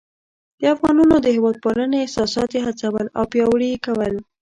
د افغانانو د هیواد پالنې احساسات یې هڅول او پیاوړي یې کول.